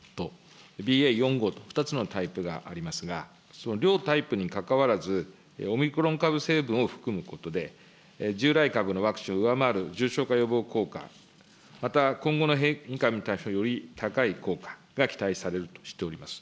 ４、５と、２つのタイプがありますが、その両タイプにかかわらず、オミクロン株成分を含むことで、従来株のワクチンを上回る重症化予防効果、また、今後の変異株に対する高い効果が期待されるとしております。